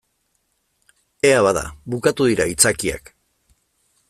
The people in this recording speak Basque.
Ea bada, bukatu dira aitzakiak.